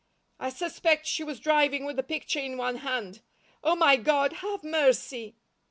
I suspect she was driving with the picture in one hand. Oh, my God, have mercy!"